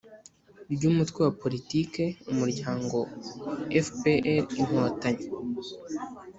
Ry umutwe wa politique umuryango fprinkotanyi